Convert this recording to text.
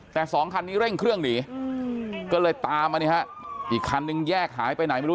แต่สองคันนี้เร่งเครื่องหนีก็เลยตามมาเนี่ยฮะอีกคันนึงแยกหายไปไหนไม่รู้